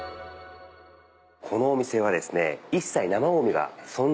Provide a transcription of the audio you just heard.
このお店はですね。